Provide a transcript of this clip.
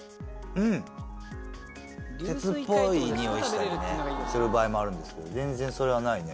うん鉄っぽいニオイしたりねする場合もあるんですけど全然それはないね